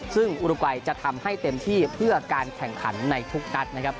ซึ่งอุรกัยจะทำให้เต็มที่เพื่อการแข่งขันในทุกนัดนะครับ